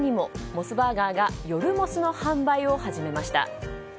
モスバーガーが夜モスの販売を始めました。